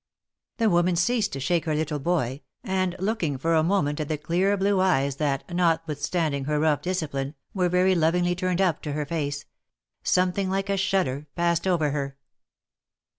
The woman ceased to shake her little boy, and looking for a mo ment at the clear blue eyes that, notwithstanding her rough disci pline, were very lovingly turned up to her face — something like a shudder passed over her.